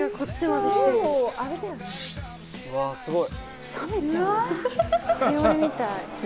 うわすごい。